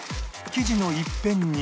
生地の一辺に